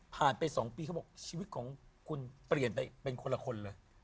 ไป๒ปีเขาบอกชีวิตของคุณเปลี่ยนไปเป็นคนละคนเลย